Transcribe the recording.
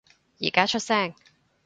而家出聲